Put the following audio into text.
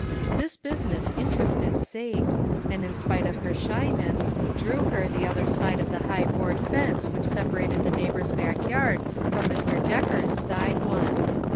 This business interested Sate, and in spite of her shyness, drew her the other side of the high board fence which separated the neighbor's back yard from Mr. Decker's side one.